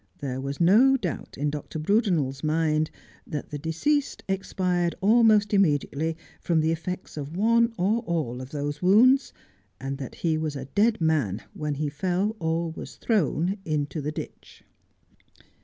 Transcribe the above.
There was no doubt in Dr. Brudenel's mind that the deceased expired almost immediately from the effects of one or all of those wounds, and that he was a dead man when he fell or was thrown into the ditch.